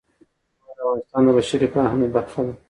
هوا د افغانستان د بشري فرهنګ برخه ده.